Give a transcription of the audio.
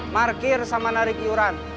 markir sama narik yuran